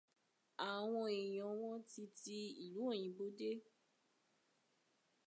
Àwọn èèyàn wọn ti ti ìlú òyìnbó dé.